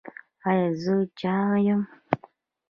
ایا زه چاغ یم؟